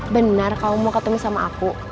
benar kamu mau ketemu sama aku